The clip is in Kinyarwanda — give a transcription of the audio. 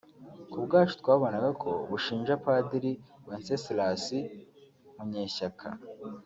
ku bwacu twabonaga ko bushinja padiri Wenceslas Munyeshyaka